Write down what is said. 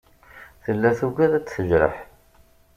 Tella tugad ad t-tejreḥ.